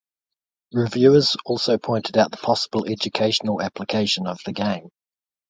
Reviewers also pointed out the possible educational application of the game.